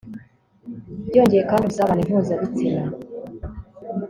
byongeye kandi ubusabane mpuzabitsina